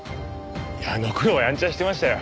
あの頃はやんちゃしてましたよ。